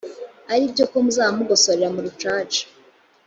ari byo ko muzaba mugosorera mu rucaca